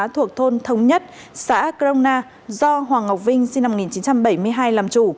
thuộc thôn thống nhất xã crona do hoàng ngọc vinh sinh năm một nghìn chín trăm bảy mươi hai